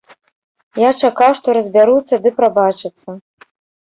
Я чакаў, што разбяруцца ды прабачацца.